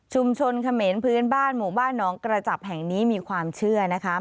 เขมรพื้นบ้านหมู่บ้านหนองกระจับแห่งนี้มีความเชื่อนะคะ